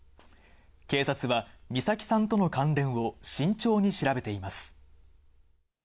警察は、美咲さんとの関連を慎重に調べています。